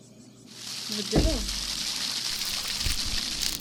Tbeddleḍ-d.